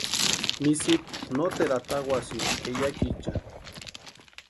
Misitu noteru atawasïnti jeyakiichani.